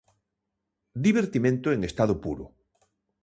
Divertimento en estado puro.